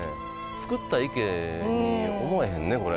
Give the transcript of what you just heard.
造った池に思えへんねこれ。